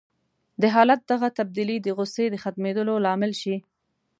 د حالت دغه تبديلي د غوسې د ختمېدو لامل شي.